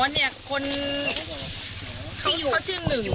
อ๋อเนี่ยคนเขาชื่อหนึ่ง